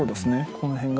この辺が。